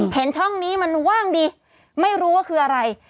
เห็นช่องนี้มันว่างดีไม่รู้ว่าคืออะไร